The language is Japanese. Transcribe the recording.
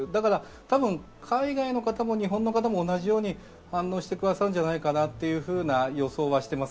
多分、海外の方も日本の方も同じようにしてくださるんじゃないかというふうな予想はしています。